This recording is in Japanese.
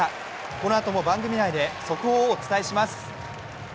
このあとも番組内で速報をお伝えします。